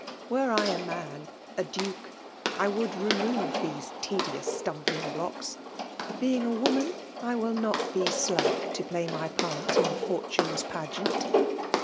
Were I a man^ — ^a Duke,— I would remove then tedious atumbliDg^iloeki. Being a woman, I will not be dack To play my part in fortune*! pageant.